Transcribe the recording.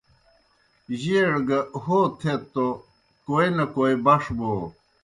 جیئڑ گہ ہو تھیت توْ کوئے نہ کوئے بݜ بو۔